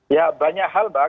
ya banyak hal pak